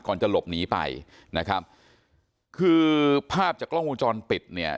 จะหลบหนีไปนะครับคือภาพจากกล้องวงจรปิดเนี่ย